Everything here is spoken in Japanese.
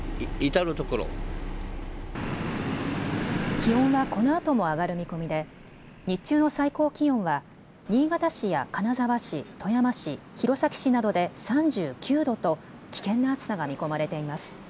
気温はこのあとも上がる見込みで日中の最高気温は新潟市や金沢市、富山市、弘前市などで３９度と危険な暑さが見込まれています。